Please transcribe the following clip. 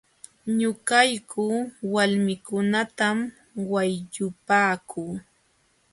Ñuqayku walmiikunatam wayllupaaku.